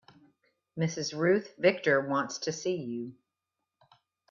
Mrs. Ruth Victor wants to see you.